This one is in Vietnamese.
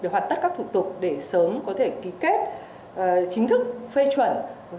hoạt tất các thủ tục để sớm có thể ký kết chính thức phê chuẩn